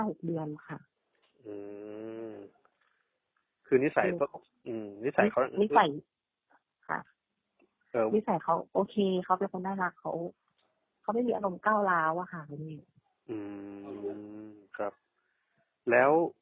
ตั้งแต่๕๖เดือนคือนิสัยเขาโอเคเขาเป็นคนน่ารักเขาไม่มีอารมณ์ก้าวร้าว